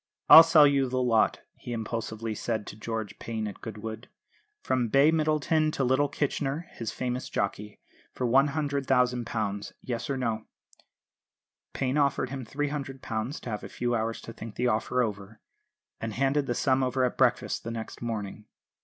"I'll sell you the lot," he impulsively said to George Payne at Goodwood, "from Bay Middleton to little Kitchener (his famous jockey), for £100,000. Yes or no?" Payne offered him £300 to have a few hours to think the offer over, and handed the sum over at breakfast the next morning.